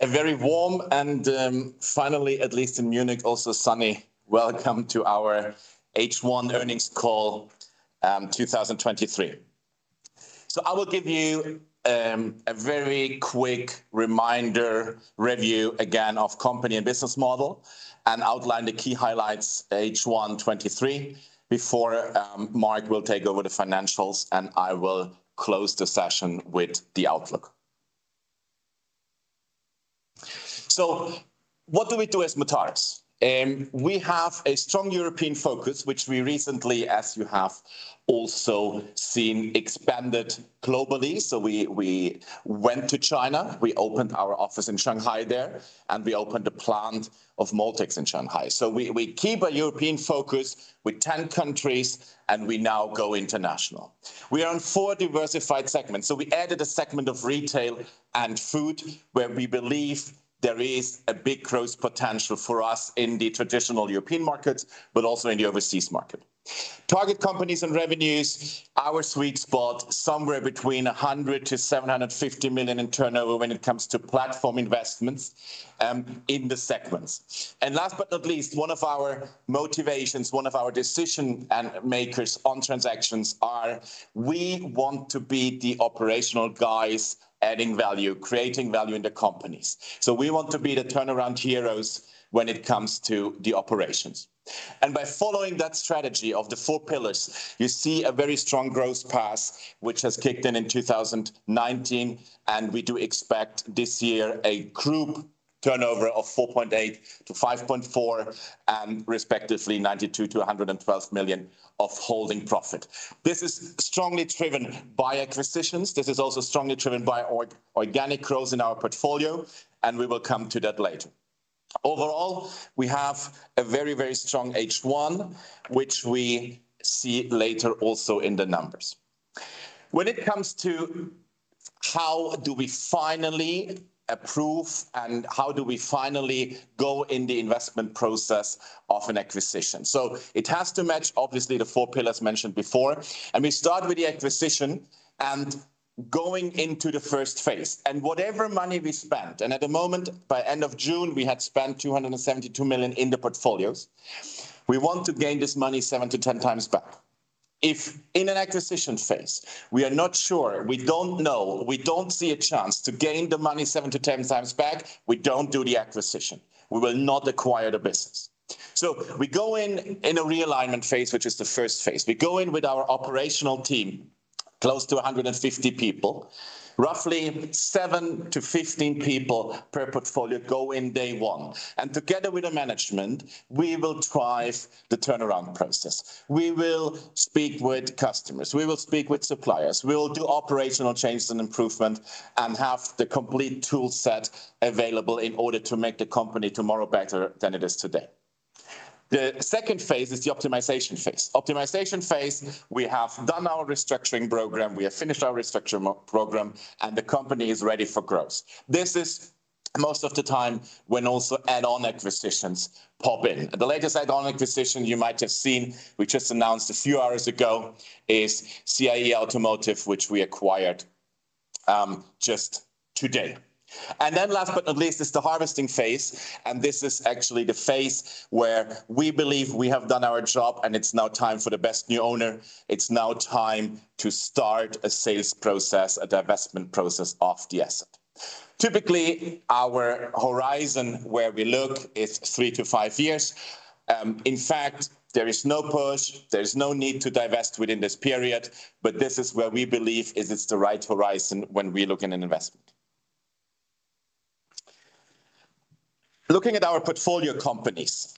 A very warm and finally, at least in Munich, also sunny welcome to our H1 earnings call, 2023. I will give you a very quick reminder, review, again, of company and business model and outline the key highlights H1 2023, before Mark will take over the financials, and I will close the session with the outlook. What do we do as Mutares? We have a strong European focus, which we recently, as you have also seen, expanded globally. We, we went to China, we opened our office in Shanghai there, and we opened a plant of MoldTecs in Shanghai. We, we keep a European focus with 10 countries, and we now go international. We are in 4 diversified segments, we added a segment of retail and food, where we believe there is a big growth potential for us in the traditional European markets but also in the overseas market. Target companies and revenues, our sweet spot, somewhere between 100 million-750 million in turnover when it comes to platform investments in the segments. Last but not least, one of our motivations, one of our decision and makers on transactions are we want to be the operational guys adding value, creating value in the companies. We want to be the turnaround heroes when it comes to the operations. By following that strategy of the 4 pillars, you see a very strong growth path, which has kicked in in 2019, and we do expect this year a group turnover of 4.8 billion-5.4 billion, and respectively, 92 million-112 million of holding profit. This is strongly driven by acquisitions. This is also strongly driven by organic growth in our portfolio, and we will come to that later. Overall, we have a very, very strong H1, which we see later also in the numbers. When it comes to how do we finally approve and how do we finally go in the investment process of an acquisition? It has to match, obviously, the 4 pillars mentioned before, and we start with the acquisition and going into the first phase. Whatever money we spent, and at the moment, by end of June, we had spent 272 million in the portfolios. We want to gain this money 7 to 10 times back. If in an acquisition phase, we are not sure, we don't know, we don't see a chance to gain the money 7 to 10 times back, we don't do the acquisition. We will not acquire the business. We go in, in a realignment phase, which is the first phase. We go in with our operational team, close to 150 people. Roughly 7 to 15 people per portfolio go in day one, and together with the management, we will drive the turnaround process. We will speak with customers. We will speak with suppliers. We will do operational changes and improvement and have the complete tool set available in order to make the company tomorrow better than it is today. The 2nd phase is the optimization phase. Optimization phase, we have done our restructuring program, we have finished our restructuring program, and the company is ready for growth. This is most of the time when also add-on acquisitions pop in. The latest add-on acquisition you might have seen, we just announced a few hours ago, is CIE Automotive, which we acquired just today. Then last but not least, is the harvesting phase, and this is actually the phase where we believe we have done our job, and it's now time for the best new owner. It's now time to start a sales process, a divestment process of the asset. Typically, our horizon where we look is 3 to 5 years. In fact, there is no push, there is no need to divest within this period, but this is where we believe is it's the right horizon when we look in an investment. Looking at our portfolio companies,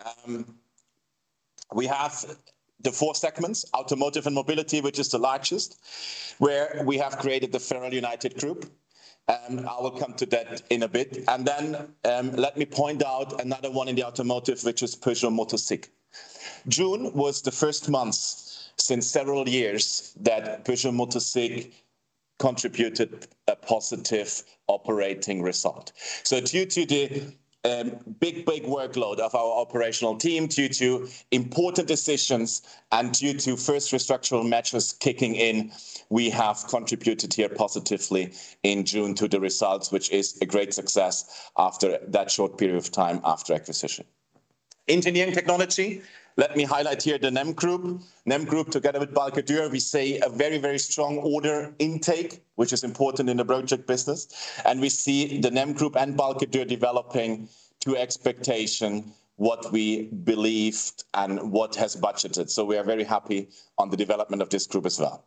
we have the 4 segments: Automotive and Mobility, which is the largest, where we have created the FerrAl United Group, and I will come to that in a bit. Then, let me point out another one in the Automotive, which is Peugeot Motocycles. June was the first month since several years that Peugeot Motocycles contributed a positive operating result. Due to the big, big workload of our operational team, due to important decisions, and due to first structural measures kicking in, we have contributed here positively in June to the results, which is a great success after that short period of time after acquisition. Engineering technology, let me highlight here the NEM Group. NEM Group, together with Balkania, we see a very, very strong order intake, which is important in the project business, and we see the NEM Group and Balkania developing to expectation, what we believed and what has budgeted. We are very happy on the development of this group as well.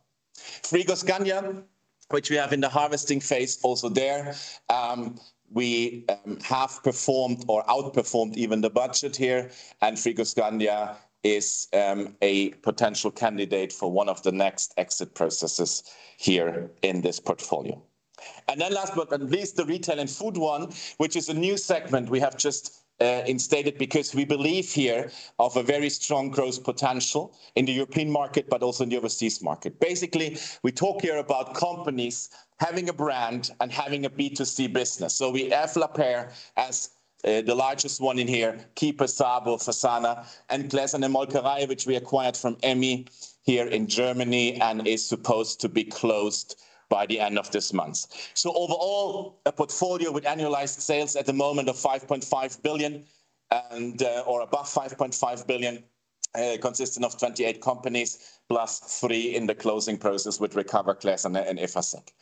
Frigoscandia, which we have in the harvesting phase also there, we have performed or outperformed even the budget here, and Frigoscandia is a potential candidate for one of the next exit processes here in this portfolio. Last but not least, the Retail and Food one, which is a new segment we have just instated because we believe here of a very strong growth potential in the European market, but also in the overseas market. Basically, we talk here about companies having a brand and having a B2C business. We have Lapeyre as the largest one in here, keeeper, SABO, FASANA, and Glaserne Molkerei, which we acquired from Emmi here in Germany and is supposed to be closed by the end of this month. Overall, a portfolio with annualized sales at the moment of 5.5 billion and, or above 5.5 billion, consisting of 28 companies, plus 3 in the closing process with Recover Glass and Efacec.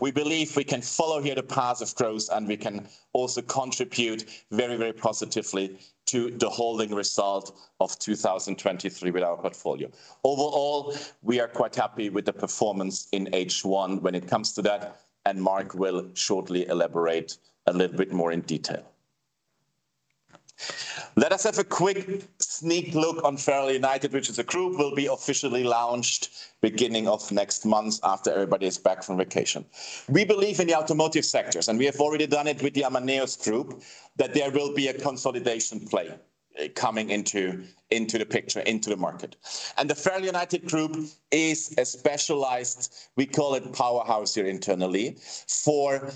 We believe we can follow here the path of growth, and we can also contribute very, very positively to the holding result of 2023 with our portfolio. Overall, we are quite happy with the performance in H1 when it comes to that, and Mark will shortly elaborate a little bit more in detail. Let us have a quick sneak look on FerrAl United Group, which is a group will be officially launched beginning of next month, after everybody is back from vacation. We believe in the automotive sectors, and we have already done it with the Amaneos SE, that there will be a consolidation play coming into, into the picture, into the market. The FerrAl United Group is a specialized, we call it powerhouse here internally, for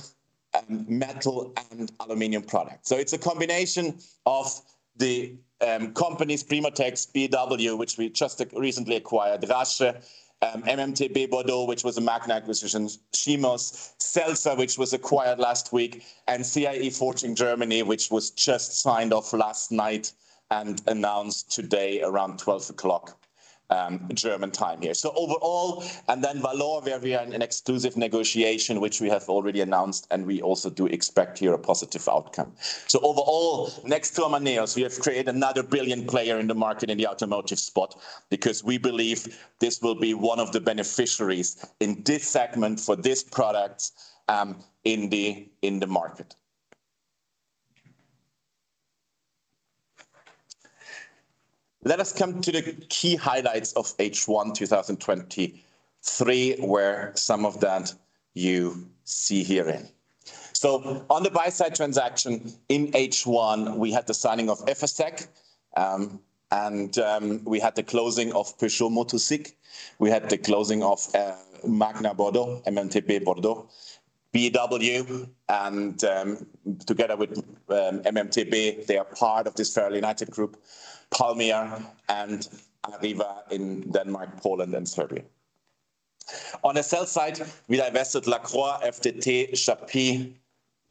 metal and aluminum products. It's a combination of the companies PrimoTECS Group, BEW Umformtechnik, which we just recently acquired, Rasche Umformtechnik, MMTB Bordeaux, which was a Magna acquisition, CIMOS, SELZER Group, which was acquired last week, and CIE Forgings Germany in Germany, which was just signed off last night and announced today around 12 o'clock German time here. Overall... Walor, where we are in an exclusive negotiation, which we have already announced, and we also do expect here a positive outcome. Overall, next to Amaneos, we have created another brilliant player in the market in the automotive spot, because we believe this will be one of the beneficiaries in this segment for this product in the market. Let us come to the key highlights of H1 2023, where some of that you see herein. On the buy-side transaction in H1, we had the signing of Efacec, and we had the closing of Peugeot Motocycles. We had the closing of Magna Bordeaux, MMT-B Bordeaux, BEW, and together with MMT-B, they are part of this FerrAl United Group, Palmia and Arriva in Denmark, Poland, and Serbia. On the sell side, we divested Lacroix, FDT, Chapuis,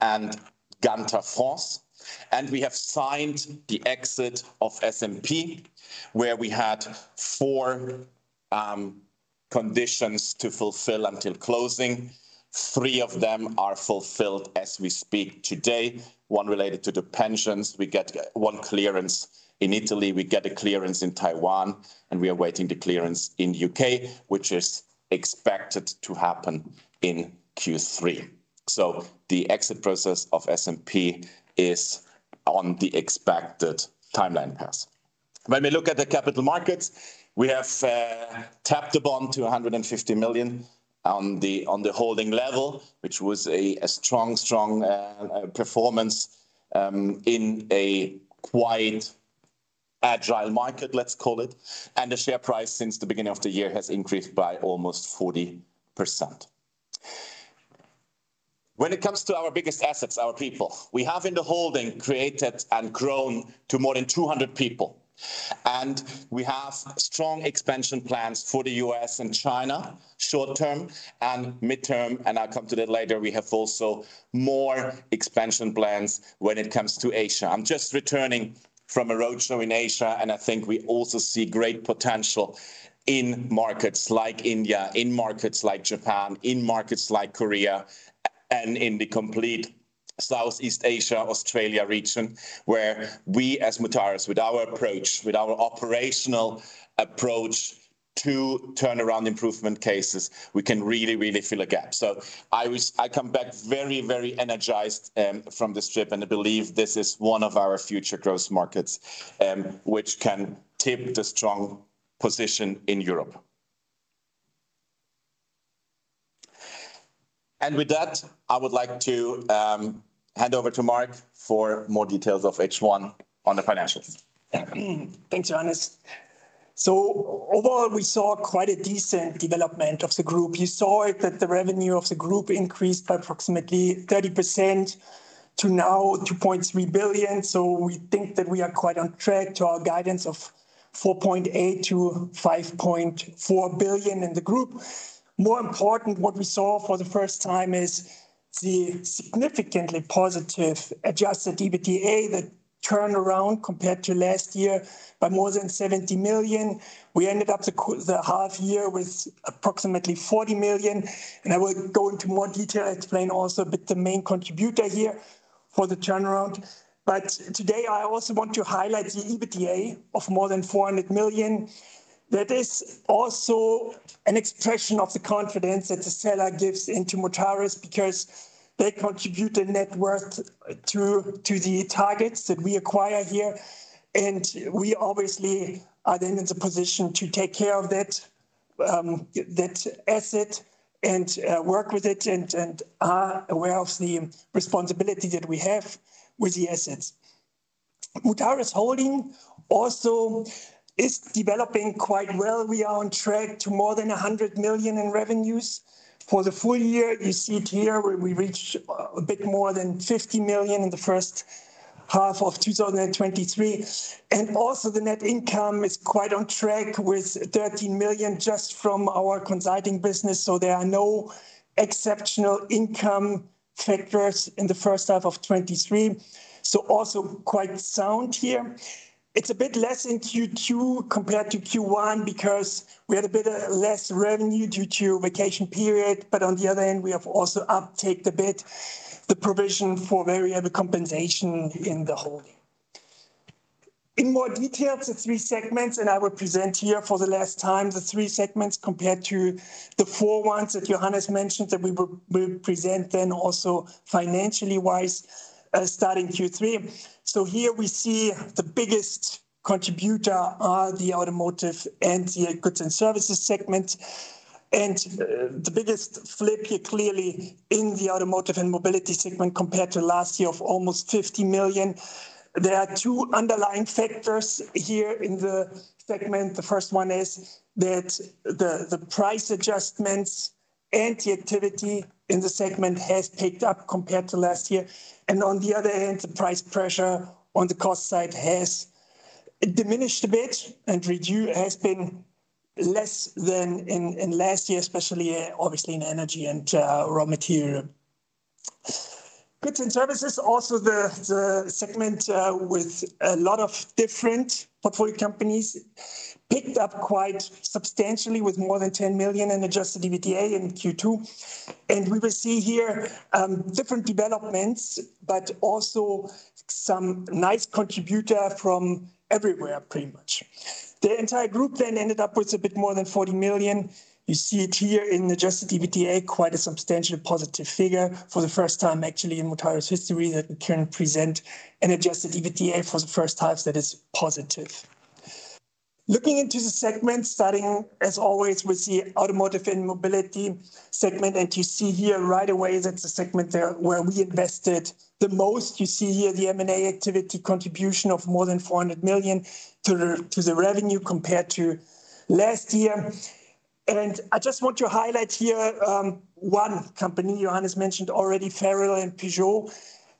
and Ganter France, we have signed the exit of SMP, where we had 4 conditions to fulfill until closing. 3 of them are fulfilled as we speak today. One related to the pensions. We get one clearance in Italy, we get a clearance in Taiwan, and we are awaiting the clearance in U.K., which is expected to happen in Q3. The exit process of SMP is on the expected timeline path. When we look at the capital markets, we have tapped the bond to 150 million on the holding level, which was a strong, strong performance in a quite agile market, let's call it. The share price since the beginning of the year has increased by almost 40%. When it comes to our biggest assets, our people, we have in the holding created and grown to more than 200 people, and we have strong expansion plans for the U.S. and China, short term and midterm, and I'll come to that later. We have also more expansion plans when it comes to Asia. I'm just returning from a roadshow in Asia, and I think we also see great potential in markets like India, in markets like Japan, in markets like Korea, and in the complete Southeast Asia, Australia region, where we, as Mutares, with our approach, with our operational approach to turnaround improvement cases, we can really, really fill a gap. I come back very, very energized from this trip, and I believe this is one of our future growth markets, which can tip the strong position in Europe. With that, I would like to hand over to Mark for more details of H1 on the financials. Thanks, Johannes. Overall, we saw quite a decent development of the group. You saw it, that the revenue of the group increased by approximately 30% to now 2.3 billion. We think that we are quite on track to our guidance of 4.8 billion-5.4 billion in the group. More important, what we saw for the first time is the significantly positive Adjusted EBITDA, the turnaround compared to last year, by more than 70 million. We ended up the half year with approximately 40 million, and I will go into more detail, explain also a bit the main contributor here for the turnaround. Today, I also want to highlight the EBITDA of more than 400 million. That is also an expression of the confidence that the seller gives into Mutares, because they contribute a net worth to the targets that we acquired here. We obviously are then in the position to take care of that asset and work with it, and are aware of the responsibility that we have with the assets. Mutares Holding also is developing quite well. We are on track to more than 100 million in revenues. For the full year, you see it here, where we reached a bit more than 50 million in the H1 of 2023. The net income is quite on track with 13 million just from our consulting business, so there are no exceptional income factors in the H1 of 2023, so also quite sound here. It's a bit less in Q2 compared to Q1, because we had a bit less revenue due to vacation period. On the other hand, we have also uptaked a bit the provision for variable compensation in the whole. In more detail, the 3 segments, and I will present here for the last time, the 3 segments compared to the 4 ones that Johannes mentioned, that we will, will present then also financially-wise, starting Q3. Here we see the biggest contributor are the Automotive and the Goods and Services segment. The biggest flip here, clearly, in the Automotive and Mobility segment compared to last year of almost 50 million. There are 2 underlying factors here in the segment. The first one is that the, the price adjustments and the activity in the segment has picked up compared to last year. On the other hand, the price pressure on the cost side has diminished a bit, and reduce has been less than in last year, especially obviously in energy and raw material. Goods and Services, also the, the segment, with a lot of different portfolio companies, picked up quite substantially with more than 10 million in adjusted EBITDA in Q2. We will see here different developments, but also some nice contributor from everywhere, pretty much. The entire group ended up with a bit more than 40 million. You see it here in adjusted EBITDA, quite a substantial positive figure for the first time actually in Mutares' history, that we can present an adjusted EBITDA for the first time that is positive. Looking into the segments, starting, as always, with the Automotive and Mobility segment. You see here right away, that's the segment there where we invested the most. You see here the M&A activity contribution of more than 400 million to the, to the revenue compared to last year. I just want to highlight here, one company. Johannes mentioned already, FerrAl and Peugeot.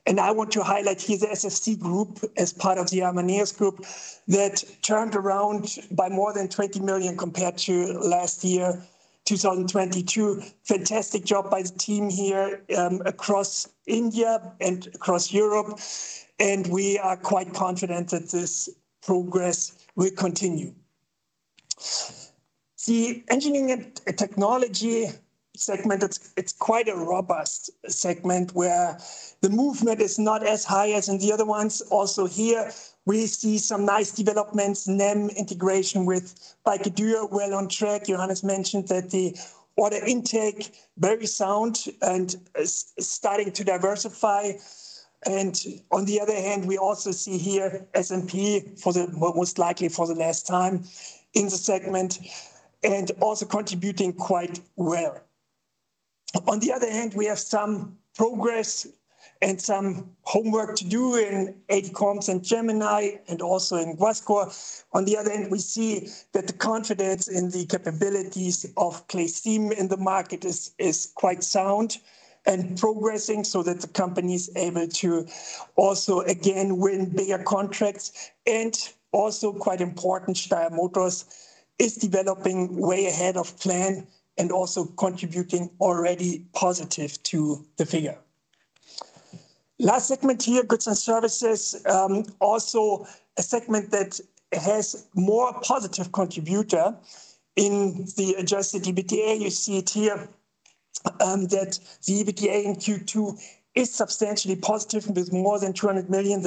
I want to highlight here the SFC Solutions Group, as part of the Amaneos group, that turned around by more than 20 million compared to last year, 2022. Fantastic job by the team here, across India and across Europe. We are quite confident that this progress will continue. The Engineering and Technology segment, it's, it's quite a robust segment, where the movement is not as high as in the other ones. Also here, we see some nice developments. NEM integration with Bike2Do well on track. Johannes mentioned that the order intake, very sound and is, is starting to diversify. On the other hand, we also see here SMP most likely for the last time in the segment, and also contributing quite well. On the other hand, we have some progress and some homework to do in HComs and Gemini, and also in Wasco. On the other hand, we see that the confidence in the capabilities of Claysteim in the market is, is quite sound and progressing, so that the company is able to also again win bigger contracts. Also, quite important, Steyr Motors is developing way ahead of plan and also contributing already positive to the figure. Last segment here, Goods and Services, also a segment that has more positive contributor in the adjusted EBITDA. You see it here, that the EBITDA in Q2 is substantially positive, with more than 200 million.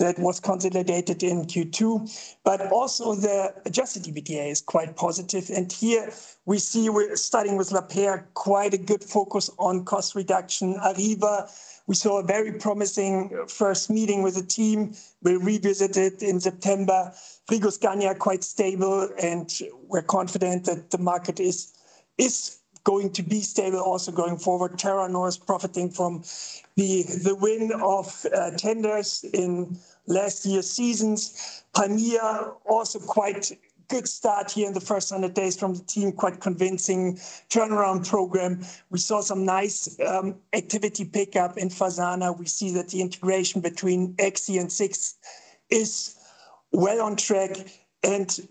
The adjusted EBITDA is quite positive. Here we see, we're starting with Lapeyre, quite a good focus on cost reduction. Arriva, we saw a very promising first meeting with the team. We'll revisit it in September. Frigoscandia are quite stable, and we're confident that the market is, is going to be stable also going forward. Terranor is profiting from the, the win of, tenders in last year's seasons. Palmia, also quite good start here in the first 100 days from the team, quite convincing turnaround program. We saw some nice, activity pickup in FASANA. We see that the integration between exie and 6 is well on track.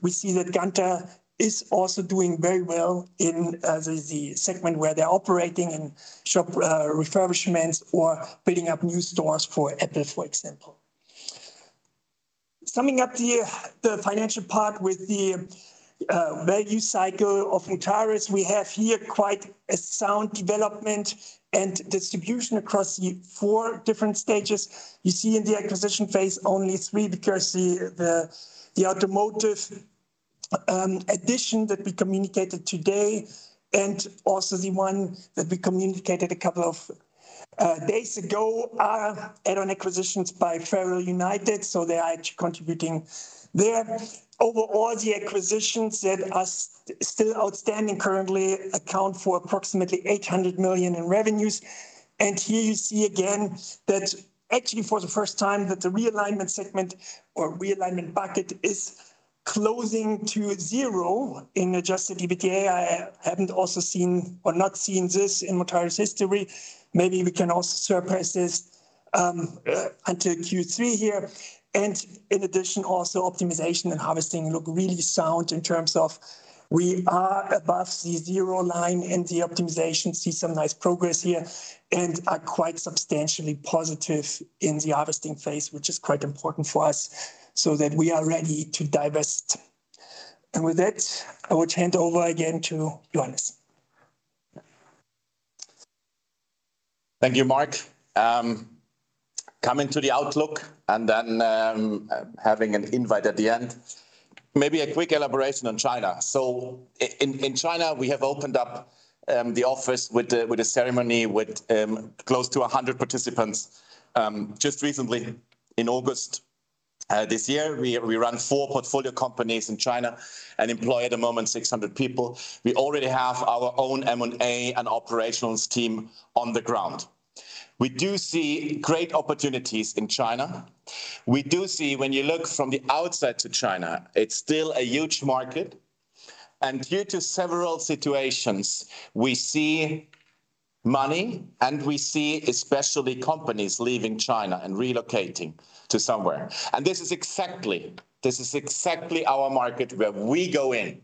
We see that Ganter is also doing very well in the segment where they're operating, in shop refurbishments or building up new stores for Apple, for example. Summing up the financial part with the value cycle of Mutares, we have here quite a sound development and distribution across the 4 different stages. You see in the acquisition phase, only 3, because the automotive addition that we communicated today and also the one that we communicated a couple of days ago, are add-on acquisitions by FerrAl United, so they are contributing there. Overall, the acquisitions that are still outstanding currently account for approximately 800 million in revenues. Here you see again, that actually for the first time, that the realignment segment or realignment bucket is closing to zero in Adjusted EBITDA. I haven't also seen or not seen this in Mutares' history. Maybe we can also surprise until Q3 here. In addition, also optimization and harvesting look really sound in terms of we are above the zero line, and the optimization see some nice progress here, and are quite substantially positive in the harvesting phase, which is quite important for us, so that we are ready to divest. With that, I will hand over again to Johannes. Thank you, Mark. Coming to the outlook and then, having an invite at the end. Maybe a quick elaboration on China. In China, we have opened up the office with a ceremony with close to 100 participants just recently in August this year. We run 4 portfolio companies in China and employ, at the moment, 600 people. We already have our own M&A and operations team on the ground. We do see great opportunities in China. We do see when you look from the outside to China, it's still a huge market, and due to several situations, we see money, and we see especially companies leaving China and relocating to somewhere. This is exactly, this is exactly our market, where we go in,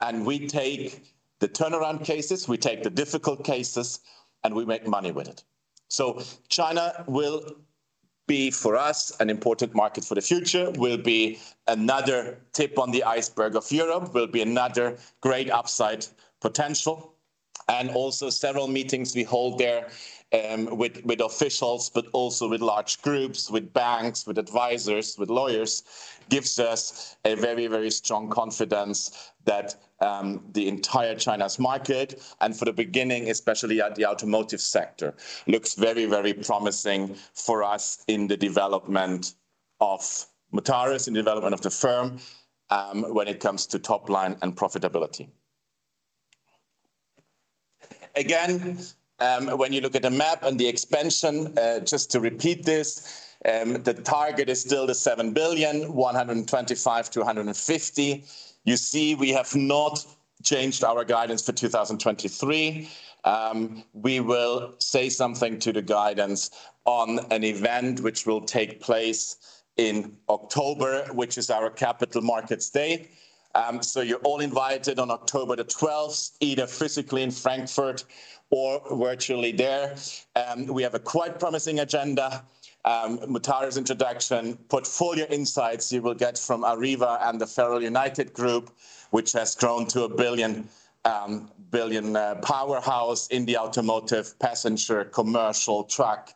and we take the turnaround cases, we take the difficult cases, and we make money with it. China will be, for us, an important market for the future, will be another tip on the iceberg of Europe, will be another great upside potential. Also several meetings we hold there, with, with officials, but also with large groups, with banks, with advisors, with lawyers, gives us a very, very strong confidence that the entire China's market, and for the beginning, especially at the automotive sector, looks very, very promising for us in the development of Mutares, in development of the firm, when it comes to top line and profitability. Again, when you look at the map and the expansion, just to repeat this, the target is still the 7 billion, 125 million-150 million. You see, we have not changed our guidance for 2023. We will say something to the guidance on an event which will take place in October, which is our Capital Markets Day. So you're all invited on October 12, either physically in Frankfurt or virtually there. We have a quite promising agenda. Mutares introduction, portfolio insights you will get from Arriva and the FerrAl United Group, which has grown to a 1 billion powerhouse in the automotive, passenger, commercial truck,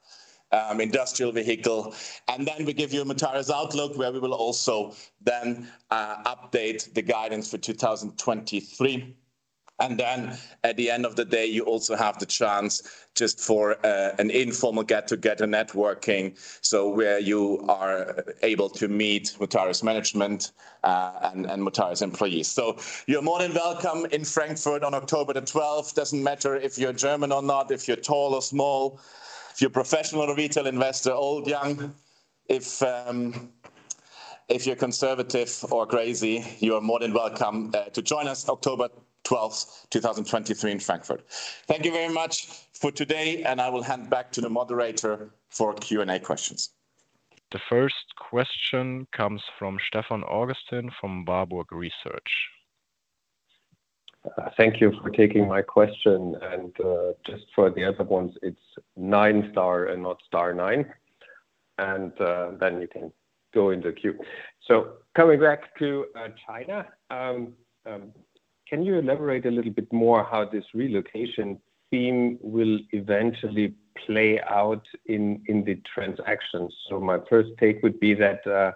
industrial vehicle. Then we give you Mutares outlook, where we will also then update the guidance for 2023. At the end of the day, you also have the chance just for an informal get-together networking, where you are able to meet Mutares management, and Mutares employees. You're more than welcome in Frankfurt on October 12th. Doesn't matter if you're German or not, if you're tall or small, if you're professional or retail investor, old, young. If you're conservative or crazy, you are more than welcome to join us October 12th, 2023 in Frankfurt. Thank you very much for today, I will hand back to the moderator for Q&A questions. The first question comes from Stefan Augustin from Warburg Research. Thank you for taking my question, just for the other ones, it's 9 Star and not Star 9. Then we can go in the queue. Coming back to China, can you elaborate a little bit more how this relocation theme will eventually play out in the transactions? My first take would be that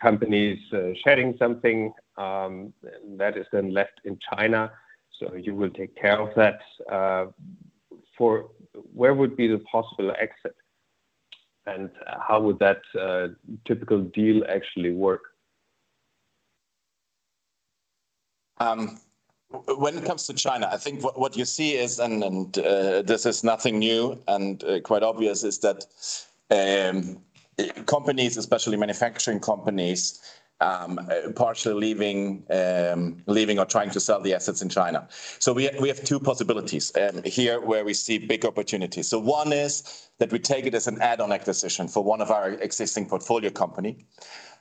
companies shedding something that is then left in China, so you will take care of that. Where would be the possible exit, and how would that typical deal actually work? When it comes to China, I think what, what you see is, and, this is nothing new and, quite obvious, is that companies, especially manufacturing companies, partially leaving, leaving or trying to sell the assets in China. We, we have 2possibilities here where we see big opportunities. One is that we take it as an add-on acquisition for one of our existing portfolio company.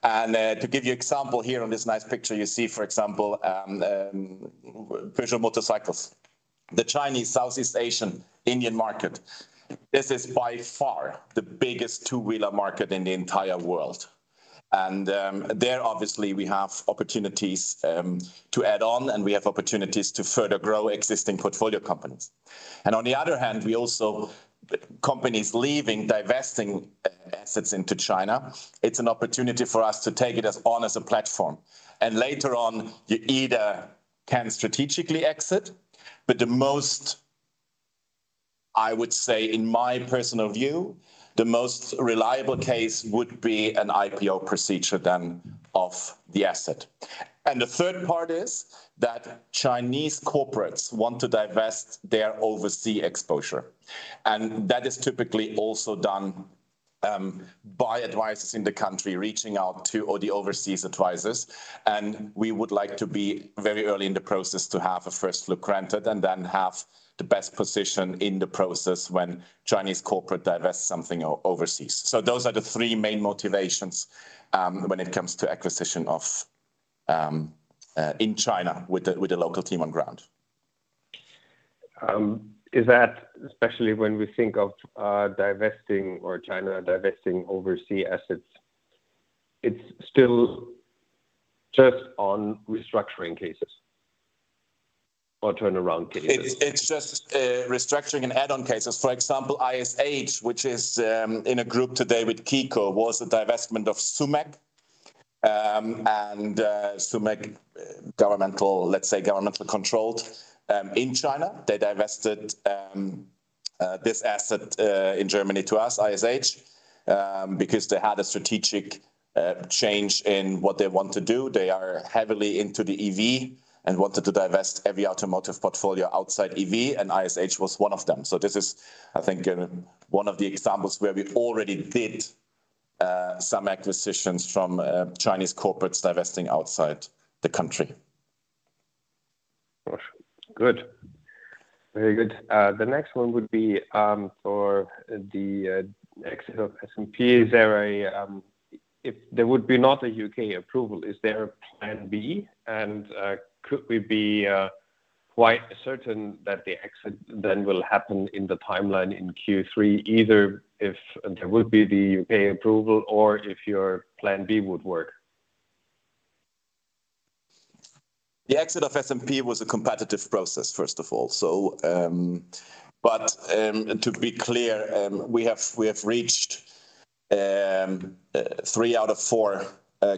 To give you example, here on this nice picture, you see, for example, Peugeot Motocycles. The Chinese, Southeast Asian, Indian market, this is by far the biggest 2 wheeler market in the entire world. There, obviously, we have opportunities to add on, and we have opportunities to further grow existing portfolio companies. On the other hand, we also... companies leaving, divesting, assets into China, it's an opportunity for us to take it as on as a platform. Later on, you either can strategically exit, but the most, I would say, in my personal view, the most reliable case would be an IPO procedure then of the asset. The 3rd part is that Chinese corporates want to divest their oversea exposure, and that is typically also done. By advisors in the country reaching out to all the overseas advisors. We would like to be very early in the process to have a first look granted, and then have the best position in the process when Chinese corporate divest something overseas. Those are the 3 main motivations, when it comes to acquisition of, in China with the, with the local team on ground. Is that especially when we think of divesting or China divesting oversea assets, it's still just on restructuring cases or turnaround cases? It's just restructuring and add-on cases. For example, ISH, which is in a group today with KICO, was a divestment of SUMEC. And SUMEC, governmental controlled in China. They divested this asset in Germany to us, ISH, because they had a strategic change in what they want to do. They are heavily into the EV and wanted to divest every automotive portfolio outside EV, and ISH was one of them. This is, I think, one of the examples where we already did some acquisitions from Chinese corporates divesting outside the country. Good. Very good. The next one would be for the exit of SMP. If there would be not a U.K. approval, is there a plan B? Could we be quite certain that the exit then will happen in the timeline in Q3, either if there would be the U.K. approval or if your plan B would work? The exit of SMP was a competitive process, first of all. To be clear, we have, we have reached 3 out of 4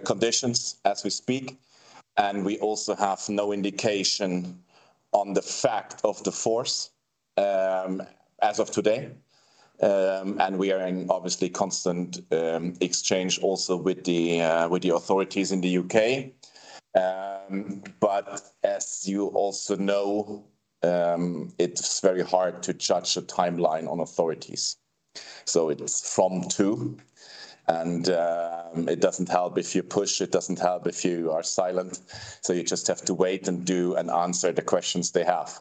conditions as we speak, and we also have no indication on the fact of the 4th as of today. We are in obviously constant exchange also with the authorities in the U.K. As you also know, it's very hard to judge a timeline on authorities. It's from 2, and it doesn't help if you push, it doesn't help if you are silent. You just have to wait and do and answer the questions they have.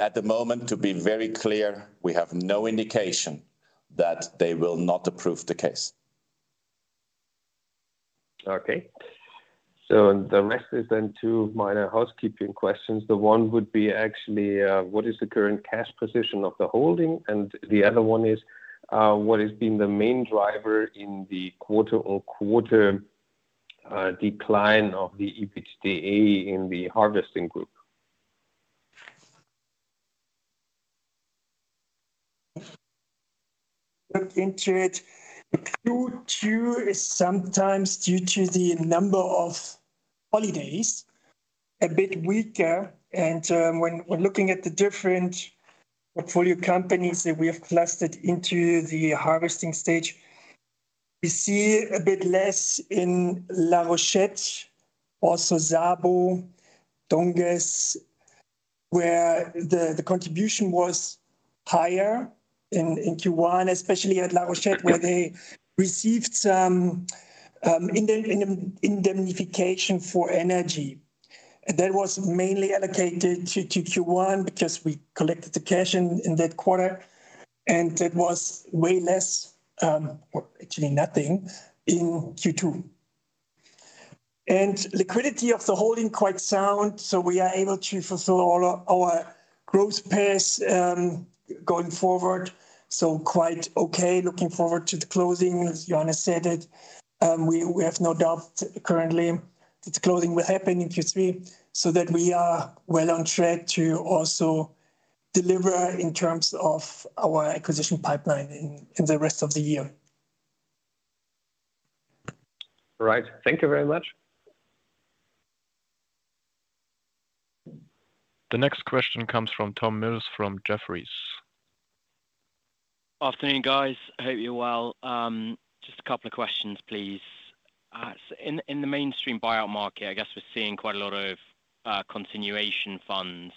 At the moment, to be very clear, we have no indication that they will not approve the case. Okay. The rest is then 2 minor housekeeping questions. The one would be actually, what is the current cash position of the holding? The other one is, what has been the main driver in the quarter-on-quarter decline of the EBITDA in the harvesting group? Look into it. Q2 is sometimes due to the number of holidays, a bit weaker. When we're looking at the different portfolio companies that we have clustered into the harvesting stage, we see a bit less in La Rochette, also SABO, Donges, where the, the contribution was higher in, in Q1, especially at La Rochette, where they received some indemnification for energy. That was mainly allocated to, to Q1 because we collected the cash in, in that quarter, and it was way less or actually nothing in Q2. Liquidity of the holding quite sound, so we are able to fulfill all our growth pace going forward. Quite okay, looking forward to the closing, as Johannes said it. We have no doubt currently that closing will happen in Q3. We are well on track to also deliver in terms of our acquisition pipeline in the rest of the year. Right. Thank you very much. The next question comes from Tom Mills, from Jefferies. Afternoon, guys. I hope you're well. Just a couple of questions, please. In, in the mainstream buyout market, I guess we're seeing quite a lot of, continuation funds.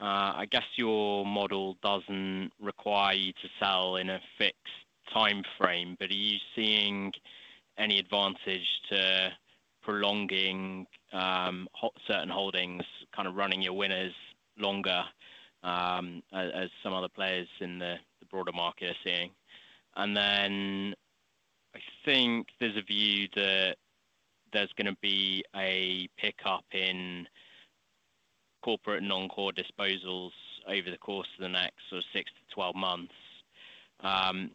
I guess your model doesn't require you to sell in a fixed timeframe, but are you seeing any advantage to prolonging, certain holdings, kind of running your winners longer, as, as some other players in the, the broader market are seeing? Then I think there's a view that there's gonna be a pickup in corporate non-core disposals over the course of the next sort of 6-12 months.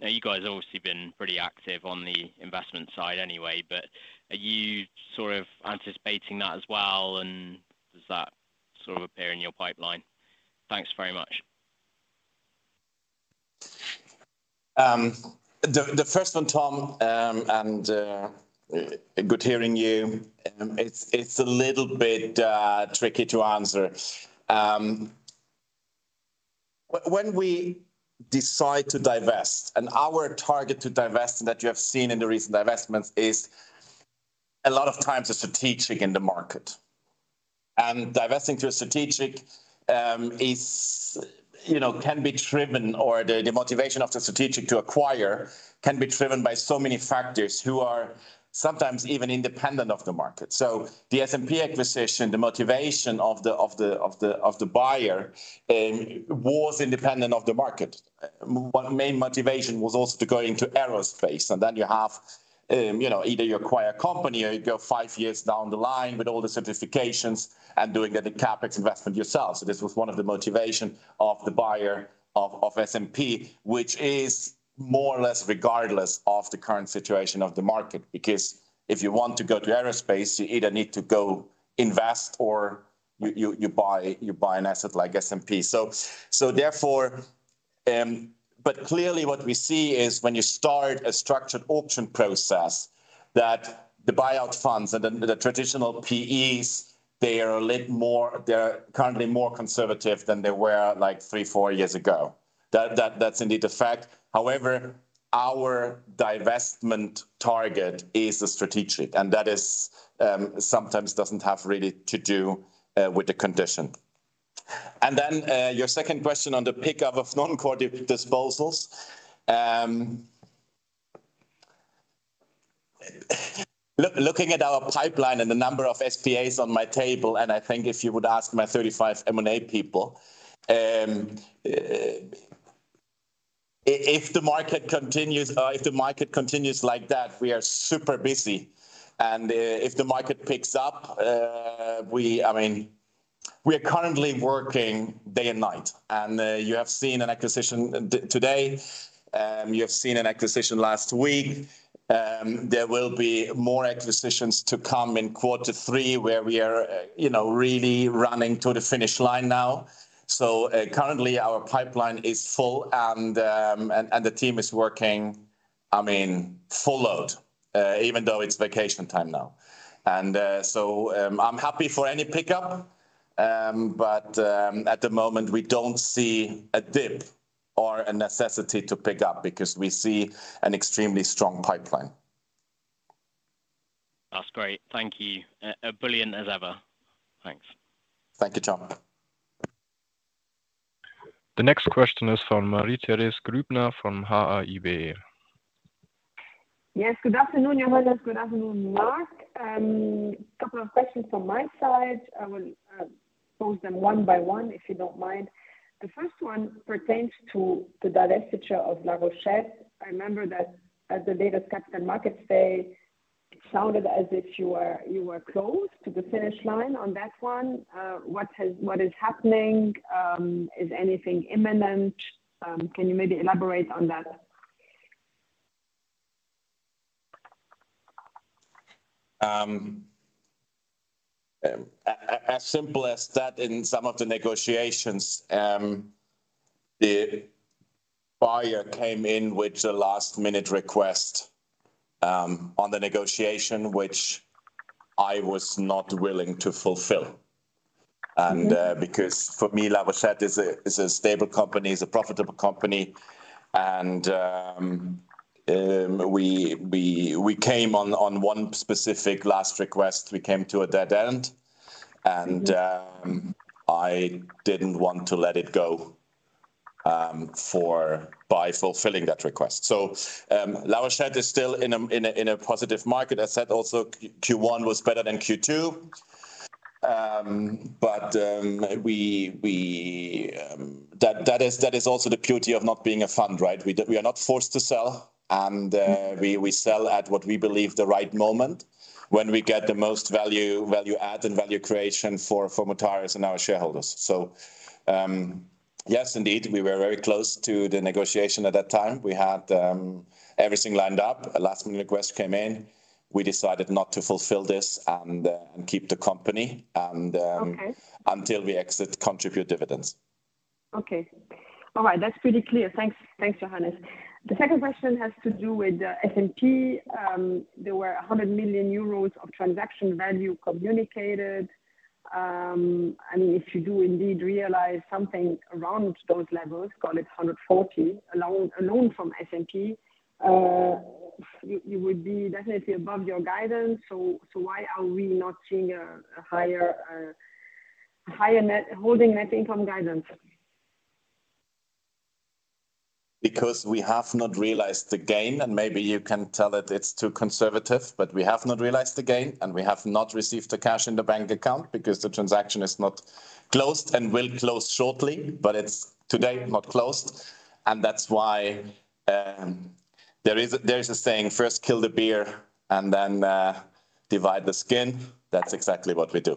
You guys have obviously been pretty active on the investment side anyway, but are you sort of anticipating that as well, and does that sort of appear in your pipeline? Thanks very much. The, the first one, Tom, good hearing you. It's, it's a little bit tricky to answer. When we decide to divest, and our target to divest, that you have seen in the recent divestments, is a lot of times a strategic in the market. Divesting through a strategic is, you know, can be driven or the, the motivation of the strategic to acquire can be driven by so many factors who are sometimes even independent of the market. The SMP acquisition, the motivation of the, of the, of the, of the buyer, was independent of the market. One main motivation was also to go into aerospace, and then you have, you know, either you acquire a company or you go 5 years down the line with all the certifications and doing the CapEx investment yourself. This was one of the motivation of the buyer of, of SMP, which is more or less regardless of the current situation of the market. Because if you want to go to aerospace, you either need to go invest or you, you, you buy, you buy an asset like SMP. Clearly what we see is when you start a structured auction process, that the buyout funds and then the traditional PEs, they are a little more-- they're currently more conservative than they were like 3, 4 years ago. That, that, that's indeed a fact. However, our divestment target is a strategic, and that is sometimes doesn't have really to do with the condition. Then your 2nd question on the pickup of non-core disposals. look, looking at our pipeline and the number of SPAs on my table. I think if you would ask my 35 M&A people, if the market continues, if the market continues like that, we are super busy. If the market picks up, we... I mean, we are currently working day and night. You have seen an acquisition today, you have seen an acquisition last week. There will be more acquisitions to come in quarter 3, where we are, you know, really running to the finish line now. Currently our pipeline is full and, and, and the team is working, I mean, full load, even though it's vacation time now. I'm happy for any pickup, but at the moment we don't see a dip or a necessity to pick up because we see an extremely strong pipeline. That's great. Thank you. brilliant as ever. Thanks. Thank you, Tom. The next question is from Marie-Thérèse Grübner from Hauck Aufhäuser Investment Banking. Yes, good afternoon, Johannes. Good afternoon, Mark. A couple of questions from my side. I will pose them one by one, if you don't mind. The first one pertains to the divestiture of La Rochette. I remember that at the latest Capital Markets Day, it sounded as if you were, you were close to the finish line on that one. What is happening? Is anything imminent? Can you maybe elaborate on that? As simple as that, in some of the negotiations, the buyer came in with a last-minute request, on the negotiation, which I was not willing to fulfill. Mm-hmm. Because for me, La Rochette is a, is a stable company, is a profitable company, and we, we, we came on, on one specific last request, we came to a dead end. Mm-hmm. I didn't want to let it go by fulfilling that request. La Rochette is still in a, in a, in a positive market. I said also Q1 was better than Q2. we, we... That, that is, that is also the beauty of not being a fund, right? We, we are not forced to sell. Mm-hmm... we, we sell at what we believe the right moment, when we get the most value, value add and value creation for, for Mutares and our shareholders. Yes, indeed, we were very close to the negotiation at that time. We had everything lined up. A last-minute request came in. We decided not to fulfill this and keep the company, and Okay Until we exit, contribute dividends. Okay. All right, that's pretty clear. Thanks. Thanks, Johannes. The 2nd question has to do with the SMP. There were 100 million euros of transaction value communicated. I mean, if you do indeed realize something around those levels, call it 140, alone, alone from SMP, you, you would be definitely above your guidance. Why are we not seeing a, a higher, higher holding net income guidance? We have not realized the gain, and maybe you can tell that it's too conservative, but we have not realized the gain, and we have not received the cash in the bank account because the transaction is not closed and will close shortly, but it's today, not closed. That's why, there is a saying, "First kill the beer, and then, divide the skin." That's exactly what we do.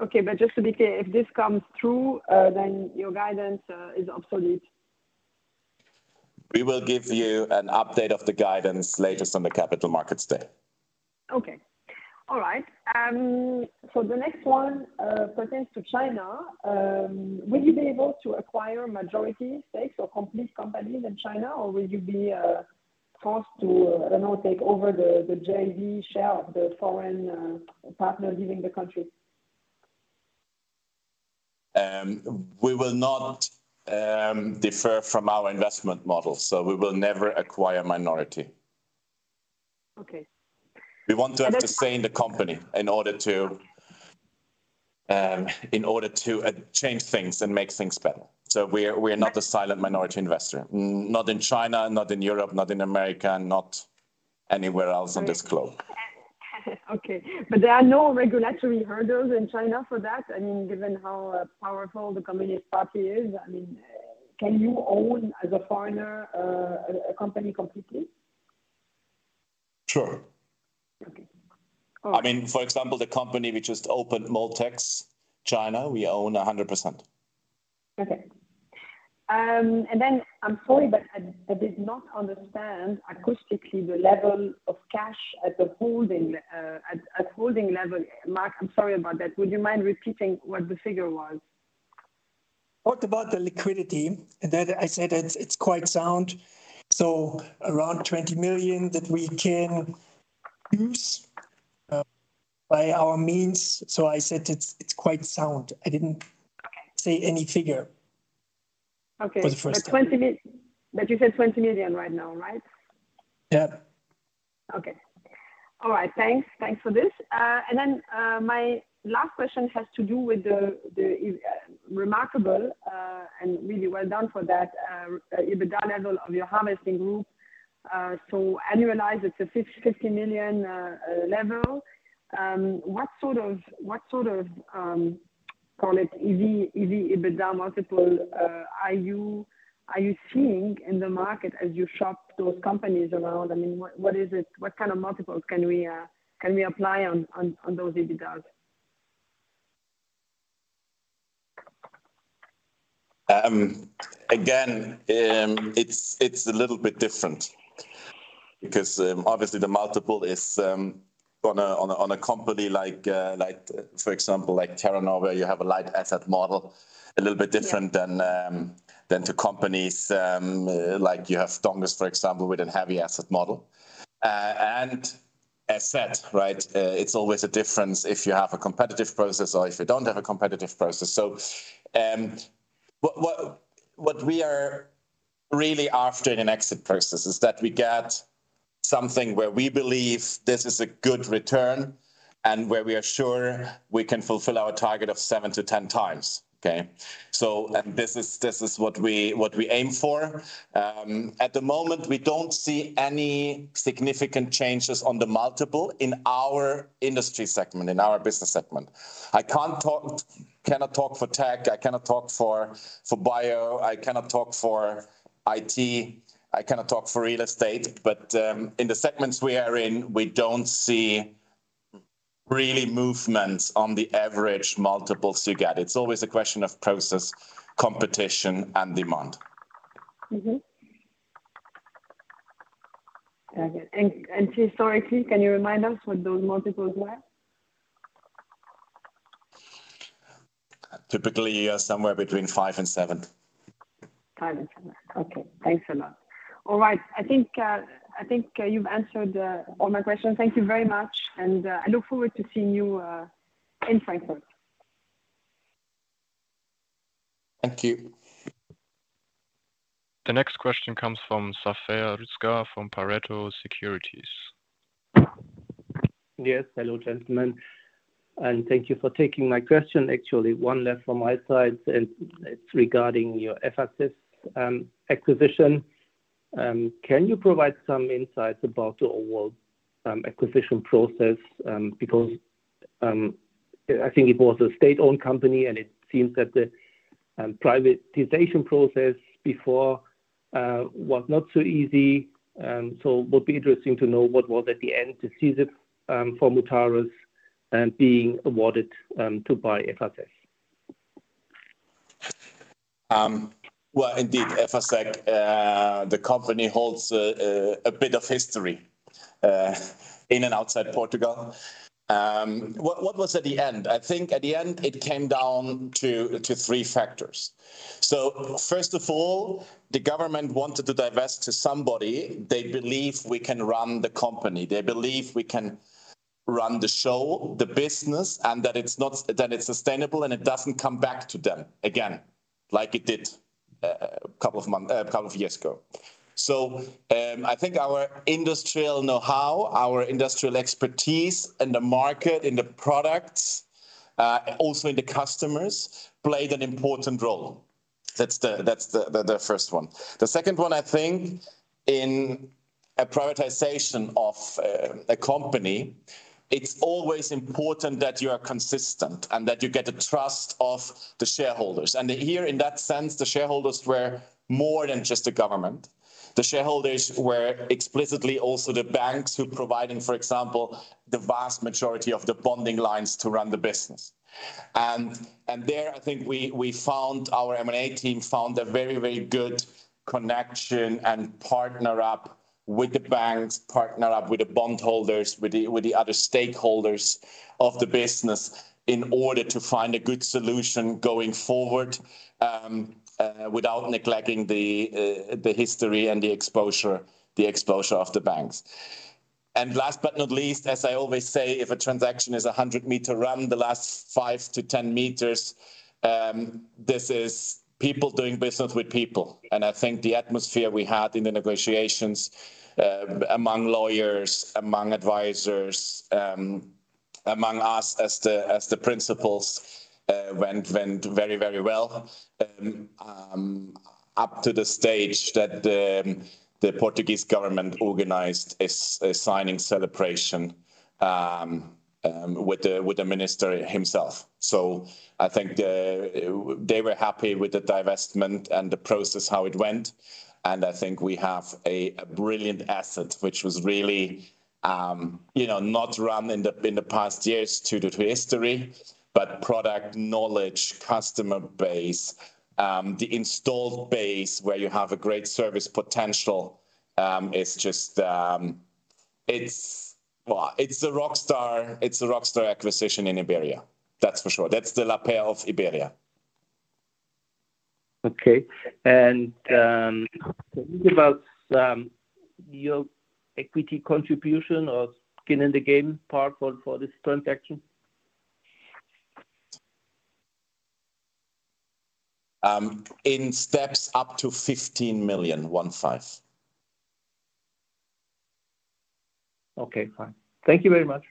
Okay, just to be clear, if this comes through, then your guidance, is obsolete? We will give you an update of the guidance latest on the Capital Markets Day. Okay. All right. The next one pertains to China. Will you be able to acquire majority stakes or complete companies in China, or will you be forced to, I don't know, take over the JV share of the foreign partners leaving the country?... we will not, defer from our investment model, so we will never acquire minority. Okay. We want to have a say in the company in order to in order to change things and make things better. We're, we're not a silent minority investor. N-not in China, not in Europe, not in America, not anywhere else on this globe. Okay. There are no regulatory hurdles in China for that? I mean, given how powerful the Communist Party is, I mean, can you own, as a foreigner, a, a company completely? Sure. Okay. All right. I mean, for example, the company we just opened, MoldTecs China, we own 100%. Okay. I'm sorry, but I, I did not understand acoustically the level of cash at the holding, at, at holding level. Mark, I'm sorry about that. Would you mind repeating what the figure was? What about the liquidity? I said it's quite sound, around 20 million that we can use by our means. I said it's quite sound. Okay. -Say any figure- Okay. For the first time. You said 20 million right now, right? Yeah. Okay. All right, thanks. Thanks for this. My last question has to do with the, the remarkable and really well done for that EBITDA level of your harvesting group. Annualize it's a 50 million level. What sort of, what sort of, call it, easy, easy EBITDA multiple are you, are you seeing in the market as you shop those companies around? I mean, what, what is it-- what kind of multiple can we apply on, on, on those EBITDAs? Again, it's, it's a little bit different because, obviously the multiple is, on a, on a, on a company like, like for example, like Terranor, you have a light asset model, a little bit different... Yeah... than, than to companies, like you have Donges Group, for example, with a heavy asset model. And asset, right? It's always a difference if you have a competitive process or if you don't have a competitive process. What, what, what we are really after in an exit process is that we get something where we believe this is a good return and where we are sure we can fulfill our target of 7x to 10x. Okay? Mm. This is, this is what we, what we aim for. At the moment, we don't see any significant changes on the multiple in our industry segment, in our business segment. I cannot talk for tech, I cannot talk for, for bio, I cannot talk for IT, I cannot talk for real estate, but, in the segments we are in, we don't see really movements on the average multiples you get. It's always a question of process, competition, and demand. Mm-hmm. Okay. Historically, can you remind us what those multiples were? Typically, somewhere between 5 and 7. 5 and 7. Okay, thanks a lot. All right. I think, I think, you've answered all my questions. Thank you very much. I look forward to seeing you in Frankfurt. Thank you. The next question comes from Safia Riska, from Pareto Securities. Yes. Hello, gentlemen, and thank you for taking my question. Actually, one left from my side, and it's regarding your Efacec acquisition. Can you provide some insights about the overall acquisition process? Because I think it was a state-owned company, and it seems that the privatization process before was not so easy. Would be interesting to know what was at the end decisive for Mutares, and being awarded to buy Efacec? Well, indeed, Efacec, the company holds a bit of history in and outside Portugal. I think at the end it came down to 3 factors. First of all, the government wanted to divest to somebody they believe we can run the company, they believe we can run the show, the business, and that it's sustainable, and it doesn't come back to them again, like it did, couple of month, couple of years ago. I think our industrial know-how, our industrial expertise in the market, in the products, also in the customers, played an important role. That's the first one. The 2nd one, I think in a privatization of a company, it's always important that you are consistent and that you get the trust of the shareholders. Here, in that sense, the shareholders were more than just the government. The shareholders were explicitly also the banks who providing, for example, the vast majority of the bonding lines to run the business. There, I think we, we found, our M&A team found a very, very good connection and partner up with the banks, partner up with the bondholders, with the, with the other stakeholders of the business in order to find a good solution going forward, without neglecting the history and the exposure, the exposure of the banks. Last but not least, as I always say, if a transaction is a 100-meter run, the last 5-10 meters, this is people doing business with people. I think the atmosphere we had in the negotiations, among lawyers, among advisors, among us as the, as the principals, went, went very, very well. Up to the stage that the, the Portuguese government organized a signing celebration, with the, with the minister himself. I think they were happy with the divestment and the process, how it went, and I think we have a brilliant asset, which was really, you know, not run in the past years due to history, but product knowledge, customer base, the installed base where you have a great service potential, is just, Well, it's a rock star. It's a rock star acquisition in Iberia, that's for sure. That's the Lapeyre of Iberia. Okay. Can you give us, your equity contribution or skin in the game part for, for this transaction? In steps up to 15 million, 15. Okay, fine. Thank you very much.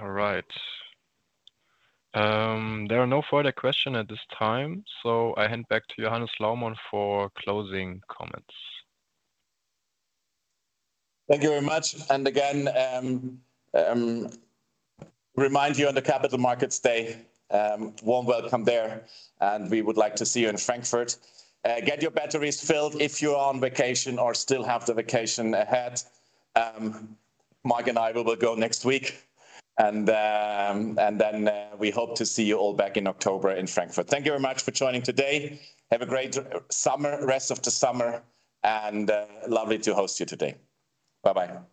All right. There are no further question at this time, so I hand back to Johannes Laumann for closing comments. Thank you very much. Again, remind you on the Capital Markets Day, warm welcome there, and we would like to see you in Frankfurt. Get your batteries filled if you are on vacation or still have the vacation ahead. Mark and I, we will go next week, we hope to see you all back in October in Frankfurt. Thank you very much for joining today. Have a great summer, rest of the summer, lovely to host you today. Bye-bye.